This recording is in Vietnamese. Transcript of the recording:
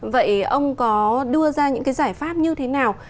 vậy ông có đưa ra những cái giải pháp như thế nào